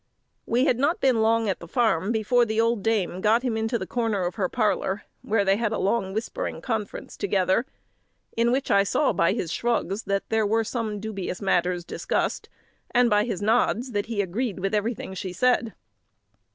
We had not been long at the farm before the old dame got him into a corner of her parlour, where they had a long whispering conference together; in which I saw by his shrugs that there were some dubious matters discussed, and by his nods that he agreed with everything she said.